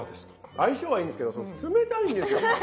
相性はいいんですけど冷たいんですよ。